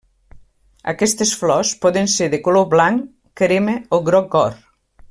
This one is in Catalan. Aquestes flors poden ser de color blanc, crema o groc or.